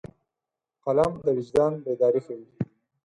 قلم د وجدان بیداري ښيي